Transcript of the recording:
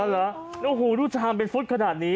เหรอโอ้โหรูดชามเป็นฟุตขนาดนี้